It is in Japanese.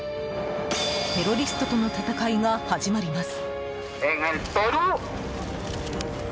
テロリストとの闘いが始まります。